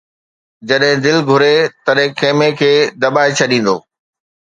جڏھن دل گھري تڏھن خيمي کي دٻائي ڇڏيندو